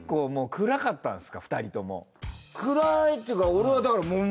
暗いっていうか俺はだから。